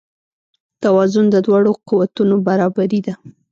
توازن د دواړو قوتونو برابري ده.